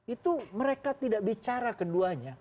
itu mereka tidak bicara keduanya